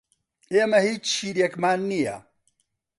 ئێمە هیچ شیرێکمان نییە.